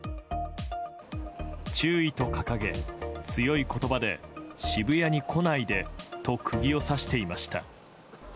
注意と掲げ、強い言葉で渋谷に来ないでと釘を刺していました。